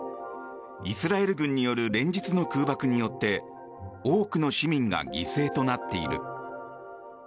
イスラエル軍による連日の空爆によって多くの市民が犠牲となっている。